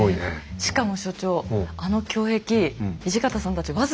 しかも所長あの胸壁土方さんたちオーノー！